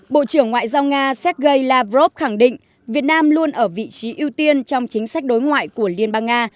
bộ trưởng ngoại giao nga sergei lavrov khẳng định việt nam luôn ở vị trí ưu tiên trong chính sách đối ngoại của liên bang nga